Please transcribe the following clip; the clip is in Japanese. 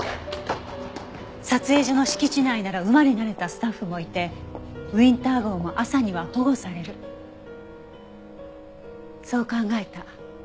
撮影所の敷地内なら馬に慣れたスタッフもいてウィンター号も朝には保護されるそう考えた。